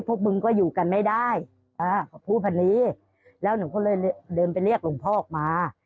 พวกมึงก็อยู่กันไม่ได้เขาพูดแบบนี้แล้วหนูก็เลยเดินไปเรียกหลวงพ่อออกมา